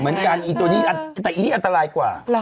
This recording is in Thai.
เหมือนกันแต่อีนี้อันตรายกว่า